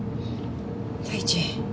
第一